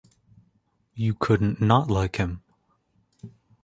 You couldn't not like him.